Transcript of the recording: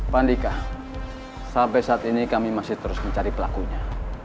pandika sampai saat ini kami masih terus mencari pelakunya